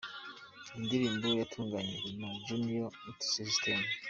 Iyi ndirimbo yatunganyijwe na Junior Multisystem.